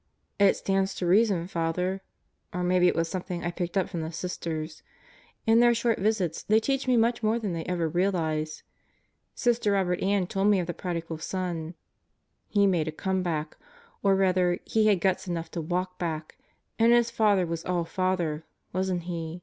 "It stands to reason, Father. Or maybe it was something I picked up from the Sisters. In their short visits they teach me much more than they ever realize. Sister Robert Ann told me of the Prodigal Son. He made a comeback. Or rather, he had guts enough to walk back; and his father was all father, wasn't he?